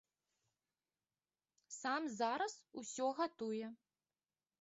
Сам зараз усё гатуе.